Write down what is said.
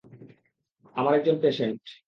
আমার একজন পেশেন্ট।